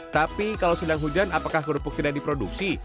tapi kalau sedang hujan apakah kerupuk tidak diproduksi